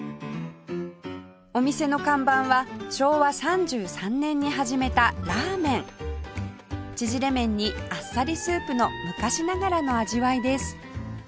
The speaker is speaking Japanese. お店の看板は昭和３３年に始めたラーメン縮れ麺にあっさりスープの昔ながらの味わいです